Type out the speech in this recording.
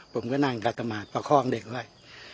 ผมก็นั่งกระต่ำหาดประคองเด็กไว้